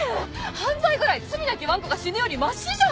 犯罪ぐらい罪なきわんこが死ぬよりマシじゃん！